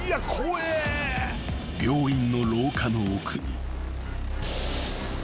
［病院の廊下の奥に］